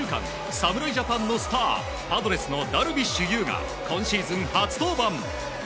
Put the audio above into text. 侍ジャパンのスターパドレスのダルビッシュ有が今シーズン初登板。